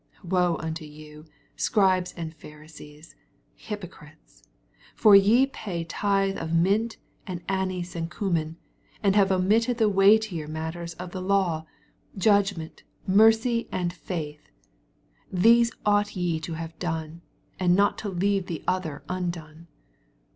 23 Woe unto you. Scribes and Pharisees, hypocrites 1 for ye pay tithe of mint and anise and cummin, and have omitted the weightier nuU tera of the law, judgment, mercy, and &ith : these ought ye to have aone, and not to leave the other undone.